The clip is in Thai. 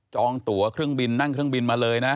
องตัวเครื่องบินนั่งเครื่องบินมาเลยนะ